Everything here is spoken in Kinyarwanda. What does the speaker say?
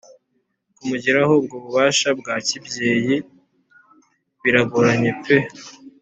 kumugiraho ubwo bubasha bwa kibyeyi biragoranye pe